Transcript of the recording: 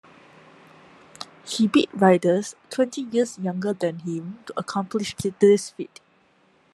He beat riders twenty years younger than him to accomplish this feat.